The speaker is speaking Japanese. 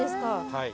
はい。